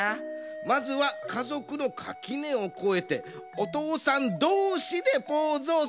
まずはかぞくのかきねをこえておとうさんどうしでポーズをそろえてもらうで！